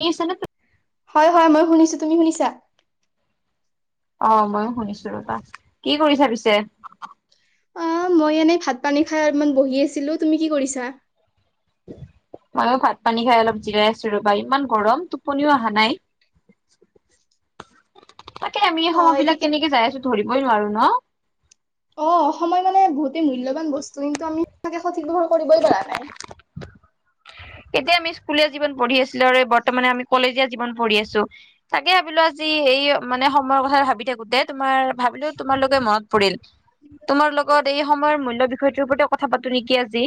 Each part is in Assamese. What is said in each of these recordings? নিচন [unintelligible] হয় হয় মই শুনিছো তুমি শুনিছা অ ময়ো শুনিছো ৰবা কি কৰিছা পিছে অ মই এনেই ভাত পানী খাই অলপমান বহি আছিলো তুমি কি কৰিছা উ মই ভাত পানী খাই অলপ জিৰাই আছো ৰবা ইমান গৰম টোপনিও অহা নাই তাকে আমি এই সময় হয় বিলাক ঠিকে কেনেকে যাই আছো ধৰিবই নোৱাৰো ন অ সময় মানে বহুতেই মূল্যবান বস্তু কিন্তু আমি সকে সঠিক ব্যৱহাৰ কৰিবই পৰা নাই [inaudible] এতিয়া আমি স্কুলীয়া জীৱন পঢ়ি আছিলো আৰু বৰ্তমানে আমি কলেজীয়া জীৱন পঢ়ি আছো তাকে ভাবিলো আজি এই মানে সময়ৰ কথা ভাবি থাকোতে তোমাৰ ভাবিলেও তোমাৰালোকে মনত পৰিল [unintelligible] তোমাৰ লগত এই সময়ৰ মূল্য বিষয়টোৰ ওপতে কথা পাতো নেকি আজি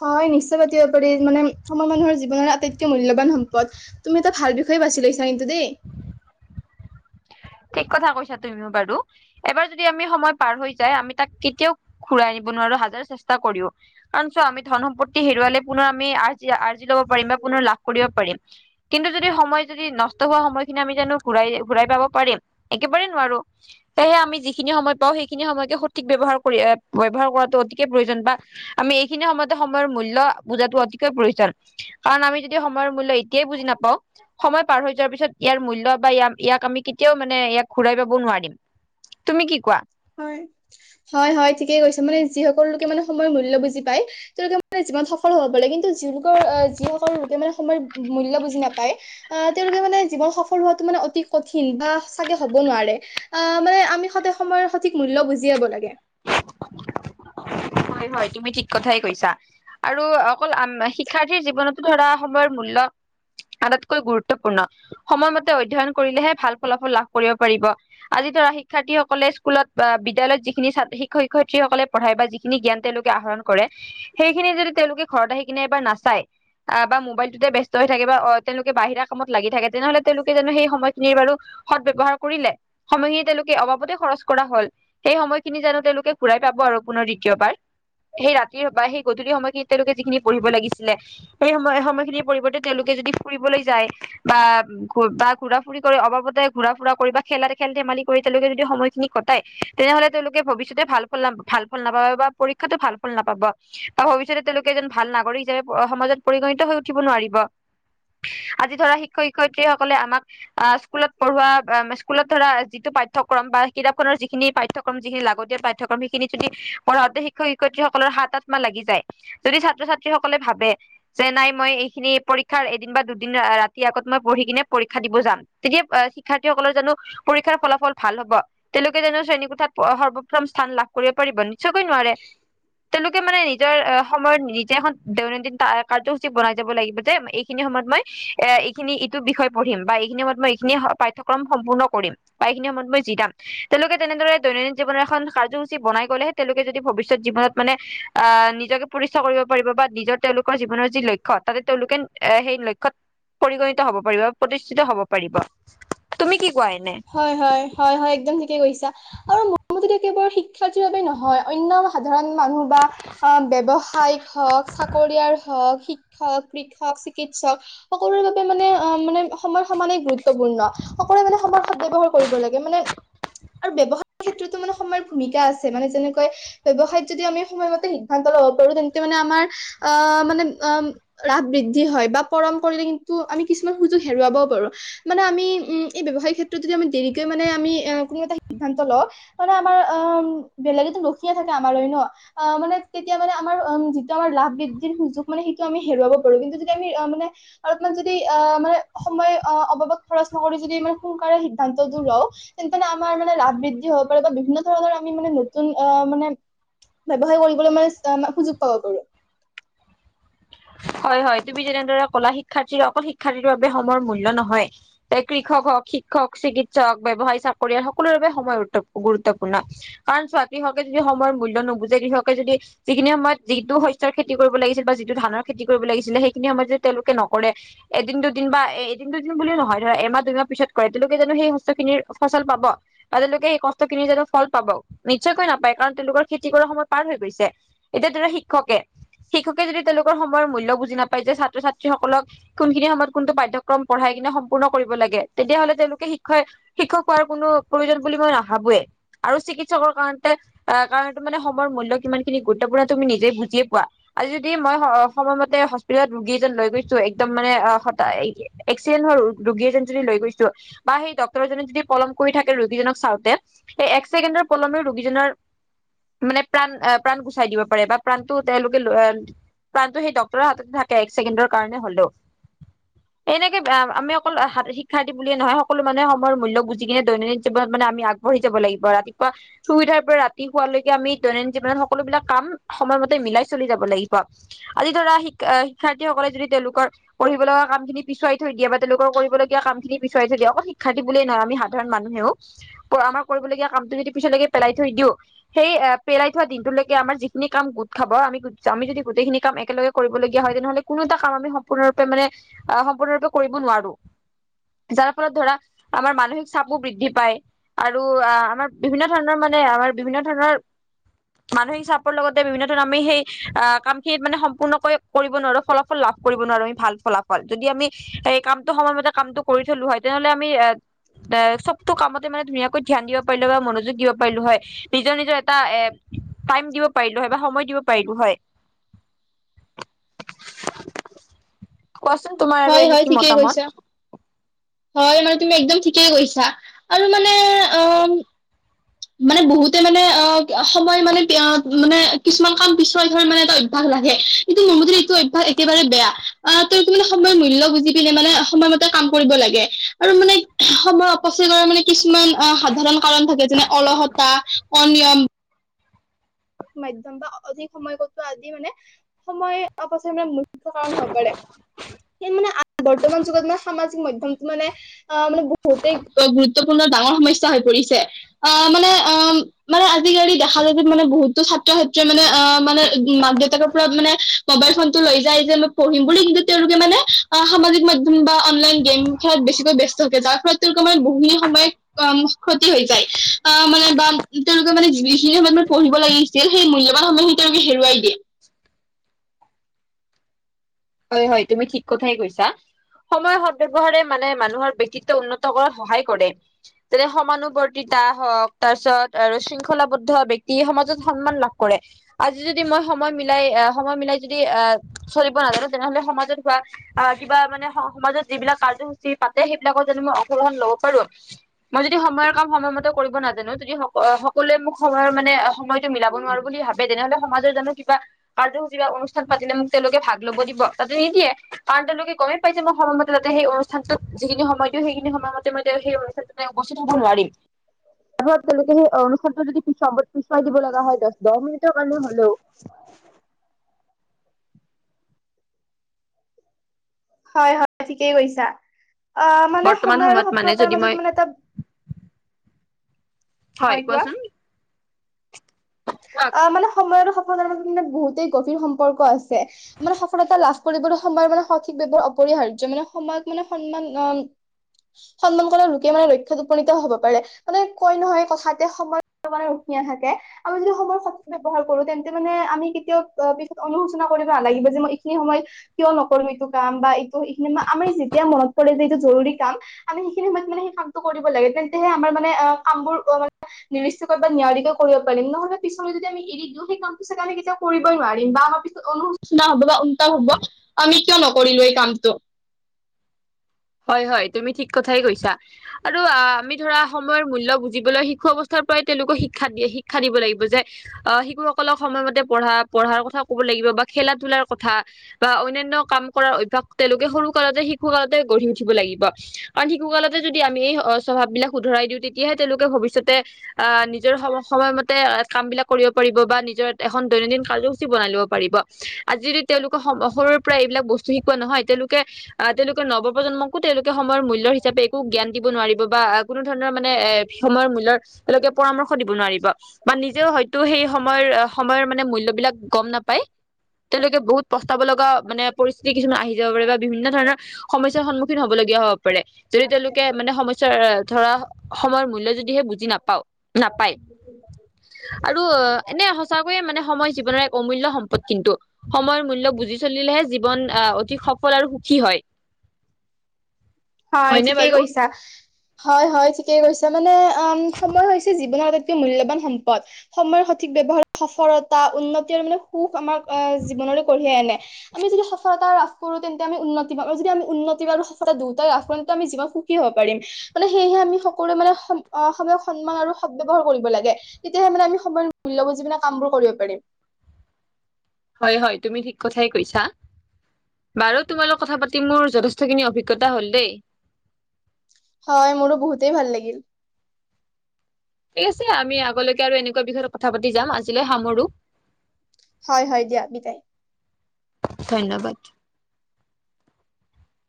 হয় নিশ্চয় পাতিব পাৰি মানে আমাৰ মানুহৰ জীৱনৰ আটাইতকৈ মূল্যবান সম্পদ তুমি এটা ভাল বিষয় কৈ বাছি লৈছা কিন্তু দেই [inaudible] ঠিক কথা কৈছা তুমিও বাৰু এবাৰ যদি আমি সময় পাৰ হৈ যায় আমি তাক কেতিয়াও ঘুৰাই নিব নোৱাৰো ধন সম্পত্তি হেৰুৱালে পুনৰ আমি আজি লব পাৰিম লাভ কৰিব পাৰিম কিন্তু যদি সময় যদি নষ্ট হোৱা সময়খিনি আমি জানো ঘ ঘূৰাই পাব পাৰিম একেবাৰে নোৱাৰো সেয়ে আমি যিখিনি সময় পাওঁ সেইখিনি সময়কে সঠিক ব্যয়ৱহাৰ কৰিয়হাৰ কৰা [unintelligible] অতিকে প্ৰয়োজন বা আমি এইখিনি সময়তে সময়ৰ মূল্য বুজাতটো অতিকৈ প্ৰয়োজন কাৰণ আমি [unintelligible] যদি সময়ৰ এতিয়া বুজি নাপওঁ সময় পাৰ হৈ যোৱা পিছত ইয়াৰ মূল্য বা এয়াক আমি কেতিয়াও মানে ইয়াক ঘূৰাই পাবও নোৱাৰিম তুমি কি কোৱা হয় হয় হয় ঠিকে কৈছা মানে যিসকলে লোকে মানে সময়ৰ মূল্য বুজি পায় তেওঁলোকে মানে যিমান সফল হ'ব পাৰে কিন্তু যি লোকৰ আহ যিসকলৰ লোকে মানে সময়ৰ মূল্যয় বুজি নাপায় আহ তেওঁলোকে মান নে জীৱন সফল হোৱাটো মানে অতি কঠিন বা চাগে হ'ব নোৱাৰে অ মানে আমি সদায় সময়ৰ সঠিক মূল বুজিয়াব লাগে [inaudible] হয় হয় তুমি ঠিক কথাই কৈছা আৰু অকলম শিক্ষাৰ্থীৰ জীৱনতো ধৰা সময়ৰ মূল্য আটাইতকৈ গুৰুত্বপূৰ্ণ সময়মতে অধ্যয়ন কৰিলেহে ভাল ফলাফল লাভ কৰিব পাৰিব আজি ধৰা শিক্ষাৰ্থীসকলে স্কুলত বা বিদ্যালয়ত যিখিনি ছাত শিক্ষক শিক্ষয়িত্ৰী সকলে পঢ়াই বা যিখিন জন্নলোকে আহৰণ কৰে সেইখিনি যদি তেওঁলোকে ঘৰত আহি কিনে এবাৰ ন আছাই আহ বা মোবাইলটোতে ব্যস্ত হৈ থাকে বা তেওঁলোকে বাহিৰা কামত লাগি থাকে তেনেহলে তেওঁলোকে জানো সেই সময়খিনিৰ বাৰু সৎ ব্যয়ৱহাৰ কৰিলে সময়খিনি তেওঁলোকে অবাবতে খৰচ কৰা হল সেই সময়খিনি জানো তেওঁলোকে ঘূৰাই পাব আৰু পুনৰ দ্বিতীয়বাৰ সেই ৰাতিৰ বা সেই গধূলি সময়খিনিত তেওঁলোকে যিখিনি পঢ়িব লাগিছিলে সেই সময় সময়খিনিৰ পৰিৱৰ্তে তেওঁলোকে তেওঁ লোকে যদি ফুৰিব বা ঘোঁৰা ফুৰা অবাবতে ঘোৰা ফুৰা কৰিবা তেওঁলোকে যদি সময়খিনি কটাই তেনেহলে তেওঁলোকে ভি ভৱিষ্যতে ভাল ফল ভাল ফল নাপাব বা পৰীক্ষা ভাল ফল নাপাব বা ভৱিষ্যতে তেওঁলোকে এজন ভাল নাগৰিক হিচাপে সমাজত পৰিগণিত হৈ উঠিব নোৱাৰিব আজি ধৰা শিক্ষক -শিক্ষয়িত্ৰীসকলে আমাক আহ স্কুলত পঢ়োৱা স্কুলত ধৰা যিটো পাঠ্যক্ৰম বা কিতাপখনৰ যিখিনি পাঠ্যক্ৰম যিখিনি লাগত তিয়াল পাঠ্যক্ৰম সেইখিনি যদি পঢ়াওঁতে শিক্ষক শিক্ষয়িত্ৰীসকলৰ হাতত মা লাগি যায় যদি ছাত্ৰ ছাত্ৰীসকলে ভাব ভাবে যে নাই মই এইখিনি পৰীক্ষাৰ এদিন বা দুদিন ৰাতি আগত মই পঢ়ি কিনে পৰীক্ষা দিব যাম তেতিয়া শিক্ষাৰ্থীসকলৰ জানো পৰীক্ষাৰ ফলাফল ভাল হব তেওঁলোকে জানো শ্ৰেণীকোঠাত সৰ্ব প্ৰথম স্থান লাভ কৰিব পাৰিব? নিশ্চয়কৈ নোৱাৰে তেওঁলোকে মানে নিজৰ সময়ত নিজে এখন দৈনন্দিন কাৰসূচী বনাই যাব লাগিব যে এইখিনি সময়ত মই এ এইখিনি ইটো বিষয় পঢ়ম বা এইখিনি সময়ত মই এইখিনি পাঠ্যক্ৰম সম্পূৰ্ণ কৰিম বা এইখিনি সময়ত মই জিৰাম তেওঁলোকে তেনেদৰে দৈনন্দিন জীৱনৰ এখন কাৰ্যসূচী বনাই গ'লেহে তেওঁলোকে যদি ভবিষ্যত জিৱনত মানে আহ নিজকে প্ৰতিষ্ঠা কৰিব পাৰিব বা নিজৰ তেওঁলোকৰ জীৱনৰ যি লক্ষ্য তাতে তেওঁলোকে এ সেই লক্ষ্যত পৰিগণিত হব পাৰিব, প্ৰতিষ্ঠিত হব পাৰিব তুমি কি কোৱা এনে হয় হয় হয় একদম। থিকে কৈছা আৰু মোৰ মতে কেৱল শিক্ষাৰ্থীৰ বাবে নহয় অন্য সাধাৰণ মানুহ। অ ব্যৱসায়িক হওঁক চাকৰিয়াৰ হওঁক শিক। শিক্ষক, কৃষক, চিকিৎসক। সকলোৰে বাবে মানে অ [unintelligible] মানে সময়ৰ সমানে গুৰুত্বপূৰ্ণ সকলোৱে মানে সময় সদব্যৱহাৰ কৰিব লাগে মানে। আৰু ব্যয়ৱসায় ক্ষেত্ৰতো মানে সময়ৰ ভূমিকা আছে মানে যেনেকৈ ব্যৱসায়ত যদি আমি সময়মতে। সিদ্ধান্ত ল'ব পাৰো তেন্তে মানে আমাৰ আহ মানে লাভ বৃদ্ধি হয় বা পলম কৰিলে। কিন্তু আমি কিছুমান সুযোগ হেৰুৱাব পাৰো মানে আমি উম এই ব্যৱসায়িক ক্ষেত্ৰত যদি আমি দেৰিকৈ মানে আমি। এ কোনো এটা সিদ্ধান্ত লও তাৰমানে আমাৰ অ বেলেগেতো লখিয়ে থাকে আমাৰ লৈ ন মানে। তেতিয়া মানে আমাৰ যিটো আমাৰ লাভ বৃদ্ধিৰ সুযোগ মানে সেইটো আমি হেৰুৱাব পাৰো কিন্তু যতিয়া আমি মানে। যদি অ মানে সময় অবাবত খৰচনকৰোঁ যদি মানে সোনকাকে সিদ্ধান্তটো লওঁ তেন্তে। আমাৰ মানে লাভ বৃদ্ধি হব পাৰে বা বিভিন্ন ধৰণৰ আমি মানে নতুন অ মানে ব্যৱসায় কৰি। বলে মানে সুযোগ পাব পাৰো। হয় হয় তুমি যেনেদৰে কলা শিক্ষাৰ্থীৰ অকল শিক্ষাৰ্থীৰ বাবে সময়ৰ মূল্য নহয় যে কৃষক হওঁক,। শিক্ষক, চিকিৎসক, ব্যৱসায়, চাকৰিয়াল সকলোৰে বাবে সময় গুৰুত্বপূৰ্ণ কাৰণ স্বাতী। যদি সময়ৰ মূল্য নবুজে কৃষকে যদি যিখিনি সময়ত যিটো শস্যৰ খেতি কৰিব লাগিছিল বা যিটো ধানৰ। খেতি কৰিব লাগিছিলে সেইখিনি সময়ত যদি তেওঁলোকে নকৰে এদিন দুদিন বা এদিন দুদিন বুলি নহয় ধৰা এমাহ দুমাহ। পিছত কৰে তেওঁলোকে জানো সেই শস্য খিনিৰ ফচল পাব বা তেওঁলোকে সেই কষ্টখিনিৰ জানো ফল পাব নিশ্চয়কৈ। নাপায় কাৰণ তেওঁলোকৰ খেতি কৰ সময় পাৰ হৈ গৈছে এতিয়া ধৰা শিক্ষকে শিক্ষকে যদি তেওঁলোক। সময়ৰ মূ্ল্য বুজি নাপায় যে ছাত্ৰ- ছাত্ৰীসকলক কোনখিনি সময়ত কোনটো পাঠ্যক্ৰম পঢ়াই কিনে সম্পূৰ্ণ কৰিব লাগে। তেতিয়াহলে তেওঁলোকে শিক্ষ শিক্ষক হোৱাৰ কোনো প্ৰয়োজন বুলি মই নাভাবোয়ে আৰু চিকিৎসকৰ কাৰণে। কাৰণতো মানে সময়ৰ মূল্য কিমান খিনি গুৰুত্বপূৰ্ণ তুমি নিজে বুজিয়ে পোৱা আজি যদি মই। সময়মতে হস্পিতেলত ৰোগী এজন লৈ গৈছো একদম মানে এক্সিডেন্ট হোৱা ৰোগী এজন। লৈ গৈছো বা সেই ডাক্তৰজনে যদি পলম কৰি থাকে ৰোগীজনক চাওঁতে সেই একচেকেণ্ডৰ পলমে। ৰোগীজনৰ মানে প্ৰাণ আহ প্ৰাণ গুচাই দিব পাৰে বা প্ৰাণটো তেওঁলোকে। প্ৰণটো সেই ডক্তৰৰ হাততে থাকে এক ছেকেণ্ডৰ কাৰণে হলেও। এনেকে আমি অকল শিক্ষাৰ্থীবুলিয়ে নহয় সকলো মানুহে সময়ৰ মূল্য বুজিকিনে দৈনন্দিন জীৱনত। মানে আমি আগবঢ়ি যাব লাগিব ৰাতিপুৱা শুই উঠাৰ পৰা ৰাতি শোৱালৈকে আমি দৈনন্দিন জীৱনত সকলো বিলাক কাম। সময়মতে মিলাই চলি যাব লাগিব। আজি ধৰা শিকা শিক্ষাৰ্থীসকলে যদি তেওঁলোকৰ পঢ়িব লগা কাম খিনি পিছুৱাই থৈ দিয়ে বা তেওঁলোকৰ। কৰিবলগীয়া কামখিনি পিছুৱাই থৈ দিয়ে অকল শিক্ষাৰ্থী বুলিয়ে নহয় আমি সাধাৰণ মানুহেও আমাৰ কৰিবলগীয়া কামটো যদি পিছ। ৰ লেগে পেলাই থৈ দিওঁ সেই পেলাই থোৱা দিনটোৰলৈকে আমাৰ যিখিনি কাম গোট খাব আমি আমি যদি। গোটেইখিনি কাম একেলগে কৰিবলগীয়া হয় তেনেহলে কোনো এটা কাম আমি সম্পূৰ্ণৰূপে মানে সম্পূৰ্ণৰূপে কৰিব নোৱাৰো। যাৰ ফলত ধৰা আমাৰ মানসিক চাপো বৃদ্ধি পায়। আৰু আমাৰ বিভিন্ন ধৰণৰ মানে আমাৰ বিভিন্ন ধৰণৰ। মানসিক চাপৰ লগতে বিভিন্ন ধৰণৰ আমি সেই আহ কাম। সম্পূৰ্ণকৈ কৰিব নোৱাৰো ফলাফল লাভ কৰিব নোৱাৰো আমি ভাল ফলাফল যদি আমি এ। কামটো সময়মতে কামটো কৰি থলো হয় তেনেহ'লে আমি এ। এ চবতটো কামতে মানে ধুনীয়াকৈ ধ্যান দিব পাৰিলো বা মনোযোগ দিব পাৰিলো হয় নিজৰ নিজৰ এটা এ। টাইম দিব পাৰিলো হয় বা সময় দিব পাৰিলো হয়। কোৱাচোন তোমাৰ আৰু হয় এনে হয় কি ঠিকেই কৈছা মতামত। হয় মানে তুমি একদম ঠিকেই কৈছা আৰু মানে অ। মানে বহুতে মানে অ সময় মানে মানে কিছুমান কাম পিছৰা থৈ মানে এটা অ্য়। ভাগ লাগে কিন্তু মোৰো এইটো একেবাৰে বেয়া। অ তোৰ কি মানে সময়ৰ মূল্য বুজি পিনে মানে সময়মতে কাম কৰিব লাগে। আৰু মানে সময় অপচিতাৰ মানে কিছুমান অ সাধাৰণ কাৰণ থাকে যেনে অলহতা। অনিয়ম। মাধ্যম বা অধিক সময় কটোৱা আদি মানে সময় অপচ মানে। কাৰণ হৈ পাৰে স মানে বৰ্তমান যুগত মানে সামাজিক মাধ্যমটো মানে। অ মানে বহুতে গুৰুত্বপূৰ্ণ ডাঙৰ সমস্যা হৈ পৰিছে আহ মানে অ মানে আজিকালি দেখা যায় যে মানে বহুত ছাত্ৰ ছাত্ৰীয়ে মানে অ মানে মাক দেউতাকৰ পৰা মানে মোবাইল ফোনটো লৈ যায় যে মই পঢ়িম বুলি তেওঁলোকে মানে আহ সামাজিক মাধ্যম বা অনলাইন গেম খেলাত বেছিকৈ ব্যস্ত থাকে যাৰ ফলত তেওঁলোকে মানে বহু সময় অ ক্ষতি হৈ যায় আহ মানে বা তেওঁলোকে মানে যিখিনি সময়ত মানে পঢ়িব লাগে যে সেই মূল্যবান সময় খিনি তেওঁলোকে হেৰুৱাই দিয়ে হয় হয় তুমি ঠিক কথাই কৈছা সময় সদ ব্যৱহাৰে মানে মানুহৰ ব্যক্তিত্ব উন্নত কৰাত সহায় কৰে যেনে সমানুবৰ্তিত হওঁক তাৰ পিছত আৰু শৃংখলাবদ্ধ ব্যক্তি সমাজত সন্মান লাভ কৰে আজি যদি মই সময় মিলাই এ সময় মিলাই যদি এ চলিব নাজানো তেনেহলে সমাজত হোৱা আহ কিবা মানে স সমাজত যিবিলাক কাৰ্যসূচী পাতে সে বিলাক যানো মই অংশগ্ৰহণ ল'ব পাৰোঁ মই যদি সময় কাম সময়মতে কৰিব নাজানো যদি স সকলোৱে মোক সময়ৰ মানে সময়তো মিলাব নোৱাৰোঁ বুলি ভাবে তেনেহ'লে স সমাজৰ জানো কিবা কাৰ্যসূচী বা অনুষ্ঠান পাতিলে মোক তেওঁলোকে ভাগ ল'ব দিব তাতো নিদিয়ে কাৰণ তেওঁলোকে গমেই পায় যে মই সময়মতে তাতে সেই অনুষ্ঠানটোত যিখিনি সময় দিওঁ সেইখিনি সময় মতে মই সেই অনুষ্ঠানটোতে উপস্থিত হ'ব নোৱাৰিম তপ তেওঁলোকে সেই অনুষ্ঠানটো যদি পিছুৱা পিছুৱাই দিব লগা হয় দহ দছ মিনিটৰ কাৰণে হ'লেও [inaudible] হয় হয় ঠিকেই কৈছা অ মানে বৰ্তমান সময় আৰু সময়ত মানে সফলতাৰ যদি মই মাজত মানে এটা হয় কোৱাচোন কোৱা আ মানে সময় আৰু সফলতাৰ মাজত মানে বহুতেই গভীৰ সম্পৰ্ক আছে মানে সফলতা লাভ কৰিবলৈ সময়ৰ মানে সঠিক ব্যবহাৰ অপৰিহাৰ্য মানে সময়ক মানে সন্মান অ সন্মান কৰা লোকে মানে লক্ষ্যত উপনীত হ'ব পাৰে মানে কৈ নহয় কথাতে সময় মানে দিয়া থাকে আৰু যদি সময় সদ ব্যৱহাৰ কৰোঁ তেন্তে মানে আমি কেতিয়াও পিছত অনুশোচনা কৰিব নালাগিব যে মই এইখিনি সময়ত কিয় সকলো এইটো কাম বা এইটো সেইখিনি আমি যেতিয়া মনত পৰে যে এইটো জৰুৰী কাম আমি সেইখিনি সময়ত মানে সেই কামটো কৰিব লাগে তেন্তেহে আমাৰ মানে অ কামবোৰ মানে নিদিষ্ট কৈ বা নিয়াৰিকৈ কৰিব পাৰিম নহ'লে পিছলৈ যদি আমি এৰি দিওঁ সেই কামটো চাগে আমি কেতিয়াও কৰিবই নোৱাৰিম বা আমাৰ পিছত অনুশোচনা হ'ব বা উলটা হ'ব আমি কিয় নকৰিলো এই কামটো [inaudible] হয় হয় তুমি ঠিক কথাই কৈছা আৰু আমি ধৰা সময়ৰ মূল্য বুজিবলৈ শিশু অৱস্থাৰ পৰাই তেওঁলোকক শিক্ষা শিক্ষা দিব লাগিব যে আহ শিশুসকলক সময়মতে পঢ়া পঢ়াৰ কথা ক'ব লাগিব বা খেলা ধূলাৰ কথা বা অন্যান্য কাম কৰাৰ অভ্যাস তেওঁলোকে সৰু কালতে শিশু কালতে গঢ়ি উঠিব লাগিব কাৰণ শিশু কালতে যদি আমি এই স্বভাৱ বিলাক শুধৰাই দিওঁ তেতিয়াহে তেওঁলোকে ভৱিষ্যতে আহ নিজৰ সম সময়মতে কাম বিলাক কৰিব পাৰিব বা নিজৰ এখন দৈনন্দিন কাৰ্যসূচী বনাই ল'ব পাৰিব আজি যদি তেওঁলোকে স সৰুৰে পৰা এইবিলাক বস্তু শিকোৱা নহয় তেওঁলোকে আহ তেওঁলোকে নৱ প্ৰজন্মকো তেওঁলোকে সময়ৰ মূল্যৰ হিচাপে একো জ্ঞান দিব নোৱাৰিব বা কোনো ধৰণৰ মানে এ সময়ৰ মূল্যৰ তেওঁলোকে পৰামৰ্শ দিব নোৱাৰিব বা নিজেও হয়তো সেই সময়ৰ সময়ৰ মানে মূল্যবিলাক গম নাপায়। তেওঁলোকে বহুত পস্তাব লগা মানে পৰিস্থিতি কিছুমান আহি যাব পাৰে বা বিভিন্ন ধৰণৰ। সমস্যাৰ সন্মুখীন হ'বলগীয়া হ'ব পাৰে। যদি তেওঁলোকে মানে সমস্যাৰ ধৰা সময়। মূল্য যদিহে বুজি নাপাওঁ নাপায়। আৰু এনে সঁচাকৈয়ে মানে সময় জীৱনৰ এক অমূল্য সম্পদ কিন্তু সময়ৰ মূল্য বুজি চলিলেহে জীৱন আহ অতি সফল আৰু সুখী হয়। হয় হয়নে ঠিকেই বাৰু কৈছা। হয় হয় ঠিকেই কৈছে মানে অ সময় হৈছে জীৱনৰ আটাইতকৈ মূল্যবান সম্পদ। সময়ৰ সঠিক ব্যৱহাৰ সফলতা উন্নতি আৰু মানে সুখ আমাৰ আহ জীৱনলৈ কঢ়িয়াই আনে। আমি যদি সফলতা লাভ কৰোঁ তেন্তে আমি উন্নতি পাৰোঁ যদি আমি উন্নতি পাৰোঁ সফলতা দ আমি জীৱনত সুখী হ'ব পাৰিম। মানে সেয়হে আমি সকলোৱে মানে স অ সময়ক সন্মান আৰু সদ ব্যৱহাৰ কৰিব লাগে। তেতিয়াহে মানে আমি সময়ৰ মূল্য বুজি পোৱা কামবোৰ কৰিব পাৰিম। হয় হয় তুমি ঠিক কথাই কৈছা। বাৰু তোমালোক কথা পাতি মোৰ যথেষ্টখিনি অভিজ্ঞতা হ'ল দেই। হয় মোৰো বহুতেই ভাল লাগিল। ঠিক আছে আমি আগলৈকে আৰু এনেকুৱা বিষয়ত কথা পাতি যাম আজিলৈ সামৰো। হয় হয় দিয়া বিদাই। ধন্যবাদ।